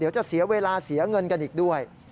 เดี๋ยวจะเสียเวลาเสียเงินกันอีกด้วย